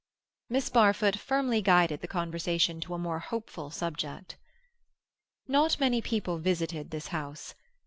Miss Barfoot firmly guided the conversation to a more hopeful subject. Not many people visited this house.